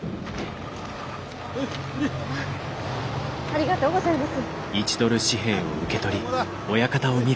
ありがとうございます。